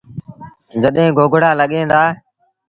جڏهيݩ گوگڙآ لڳيٚن دآ